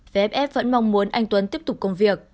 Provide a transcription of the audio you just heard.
vff vẫn mong muốn anh tuấn tiếp tục công việc